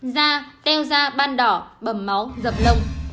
da teo da ban đỏ bầm máu dập lông